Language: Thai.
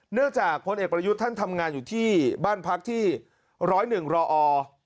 เนื่องจากพลเอกปรยุฑท่านทำงานอยู่ที่บ้านพักที่๑๐๑รออ